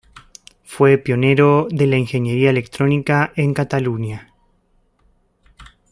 Fue pionero de la ingeniería electrónica en Cataluña.